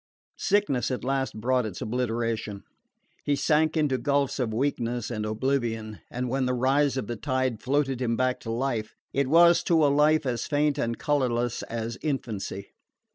Sickness at last brought its obliteration. He sank into gulfs of weakness and oblivion, and when the rise of the tide floated him back to life, it was to a life as faint and colourless as infancy.